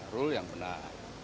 rule yang benar